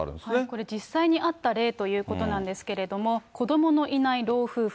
これ実際にあった例ということなんですけれども、子どものいない老夫婦。